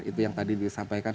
itu yang tadi disampaikan